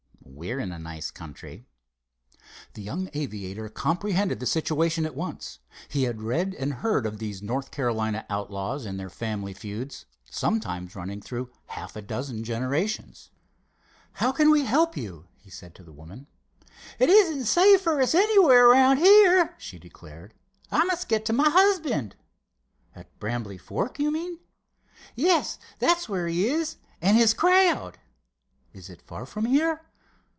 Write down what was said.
"We're in a nice country!" The young aviator comprehended the situation at once. He had read and heard of these North Carolina outlaws and their family feuds, sometimes running through half a dozen generations. "How can we help you?" he said to the woman. "It isn't safe for us anywhere around here," she declared. "I must get to my husband." "At Brambly Fork, you mean?" "Yes, that's where he is, and his crowd." "Is it far from here?"